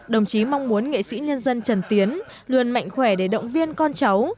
đồng chí mong muốn nghệ sĩ nhân dân trần tiến luôn mạnh khỏe để động viên con cháu